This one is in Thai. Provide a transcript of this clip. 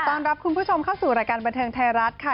รับคุณผู้ชมเข้าสู่รายการบันเทิงไทยรัฐค่ะ